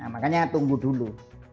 makanya tunggu dulu